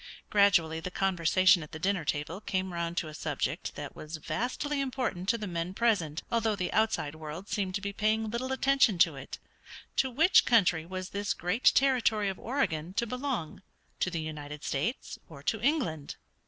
Gradually the conversation at the dinner table came round to a subject that was vastly important to the men present, although the outside world seemed to be paying little attention to it to which country was this great territory of Oregon to belong, to the United States or to England?